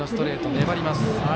粘ります。